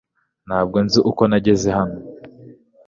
ntabwo nzi uko nageze hano